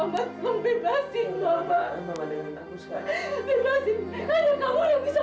mama tidak mau masuk neraka